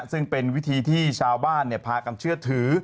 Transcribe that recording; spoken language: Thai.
ซึ่งเป็นวิธีที่ชาวบ้านพากันเชื่อถือ